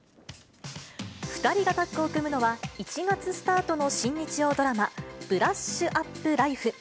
２人がタッグを組むのは、１月スタートの新日曜ドラマ、ブラッシュアップライフ。